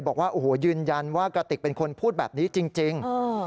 บอกว่าโอ้โหยืนยันว่ากระติกเป็นคนพูดแบบนี้จริง